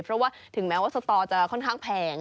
เพราะว่าถึงแม้ว่าสตอจะค่อนข้างแพง